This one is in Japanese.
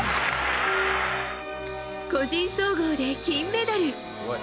個人総合で金メダル！